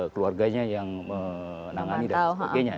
keluarganya yang menangani dan sebagainya